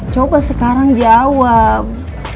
coba sekarang jawab